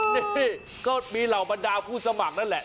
นี่ก็มีเหล่าบรรดาผู้สมัครนั่นแหละ